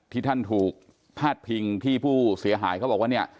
ที่ท่านถูกพาดพิงที่ผู้เสียหายเขาบอกว่าเนี่ย